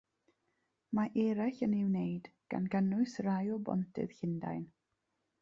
Mae eraill yn ei wneud, gan gynnwys rhai o bontydd Llundain.